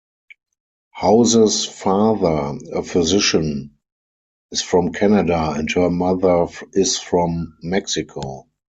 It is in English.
House's father, a physician, is from Canada and her mother is from Mexico.